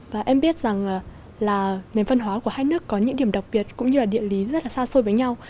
và em biết rằng là nền văn hóa của hai nước có những điểm đặc biệt cũng như là địa lý rất là xa xôi với nhau